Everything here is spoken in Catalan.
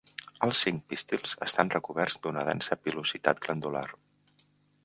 Els cinc pistils estan recoberts d'una densa pilositat glandular.